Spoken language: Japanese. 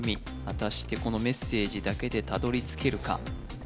果たしてこのメッセージだけでたどりつけるか？